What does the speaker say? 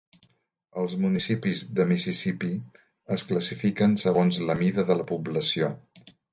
Els municipis de Mississipí es classifiquen segons la mida de la població.